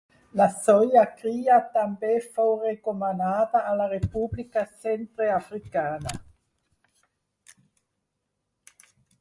La seua cria també fou recomanada a la República Centreafricana.